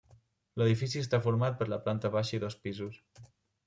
L'edifici està format per la planta baixa i dos pisos.